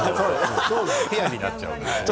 ペアになっちゃうからね。